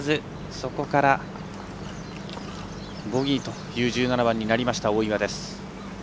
そこから、ボギーという１７番になりました、大岩です。